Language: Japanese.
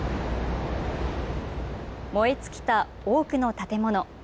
燃え尽きた多くの建物。